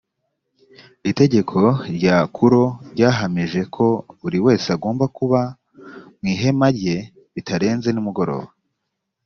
itegeko rya kuro ryahamije ko buri wese agomba kuba mwihema rye bitarenze ni mugoroba